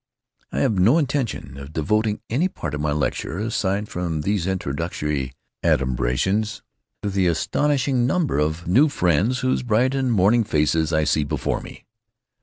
I have no intention of devoting any part of my lecture, aside from these introductory adumbrations, to the astonishing number of new friends whose bright and morning faces I see before me.